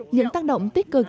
những tác động tích cực